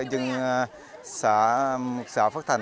nhưng xã phước thành